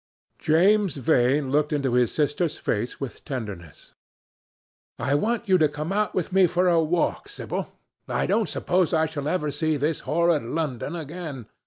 James Vane looked into his sister's face with tenderness. "I want you to come out with me for a walk, Sibyl. I don't suppose I shall ever see this horrid London again.